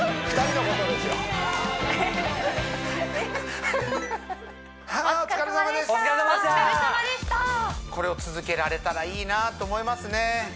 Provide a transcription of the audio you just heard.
お疲れさまでしたこれを続けられたらいいなと思いますね